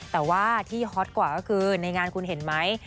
แต่ว่าที่ฮอตกว่าก็คือในงานคุณเห็นไหม